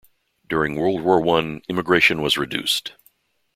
During World War One, immigration was reduced.